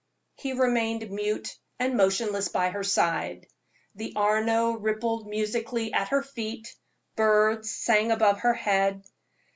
He remained mute and motionless by her side. The Arno rippled musically at her feet; birds sang above her head.